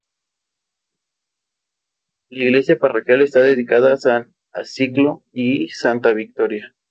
La iglesia parroquial está dedicada a san Acisclo y santa Victoria.